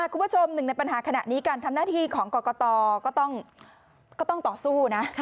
คุณผู้ชมหนึ่งในปัญหาขณะนี้การทำหน้าที่ของกรกตก็ต้องต่อสู้นะ